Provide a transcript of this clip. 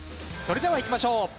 それではいきましょう。